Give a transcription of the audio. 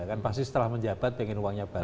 kan pasti setelah menjabat pengen uangnya banyak